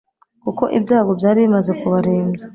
kuko ibyago byari bimaze kubarembya